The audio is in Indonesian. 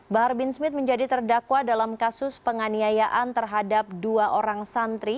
bahar bin smith menjadi terdakwa dalam kasus penganiayaan terhadap dua orang santri